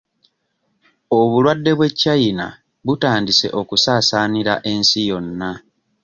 Obulwadde bw'e China butandise okusaasaanira ensi yonna.